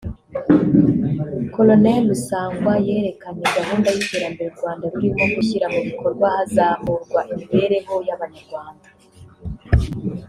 Colonel Rusanganwa yerekanye gahunda y’iterambere u Rwanda rurimo gushyira mu bikorwa hazamurwa imibereho y’Abanyarwanda